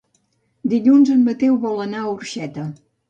Dilluns en Mateu vol anar a Orxeta.